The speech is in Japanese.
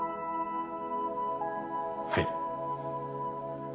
はい。